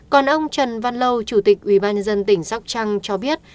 còn ông trần văn lâu chủ tịch ubnd tỉnh sóc trăng cho biết